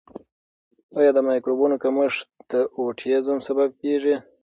آیا د مایکروبونو کمښت د اوټیزم سبب کیږي؟